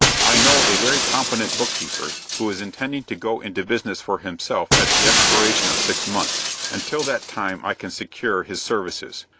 "I know a very competent book keeper, who is intending to go into business for himself at the expiration of six months. Until that time I can secure his services.